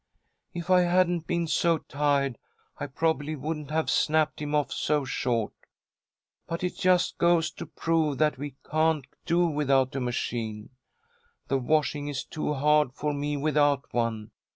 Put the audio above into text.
If I hadn't been so tired, I probably wouldn't have snapped him off so short, but it just goes to prove that we can't do without a machine. The washing is too hard for me without one.